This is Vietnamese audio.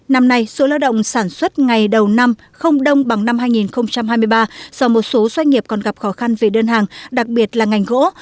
năm nay số lao động sản xuất ngày đầu năm không đông bằng năm hai nghìn hai mươi ba do một số doanh nghiệp còn gặp khó khăn về đơn hàng đặc biệt là ngành gỗ